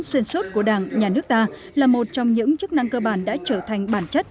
xuyên suốt của đảng nhà nước ta là một trong những chức năng cơ bản đã trở thành bản chất